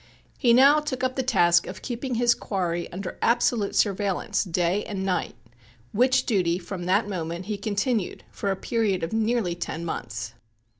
He now took up the task of keeping his quarry under absolute surveillance day and night, which duty from that moment he continued for a period of nearly ten months.